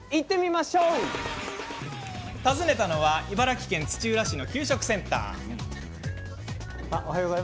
訪ねたのは茨城県土浦市の給食センター。